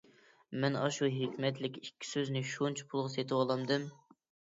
مەن ئاشۇ ھېكمەتلىك ئىككى سۆزنى شۇنچە پۇلغا سېتىۋالدىم.